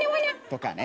とかね。